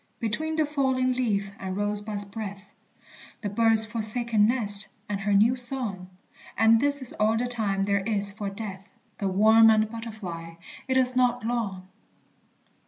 Between the falling leaf and rose bud's breath; The bird's forsaken nest and her new song (And this is all the time there is for Death); The worm and butterfly it is not long!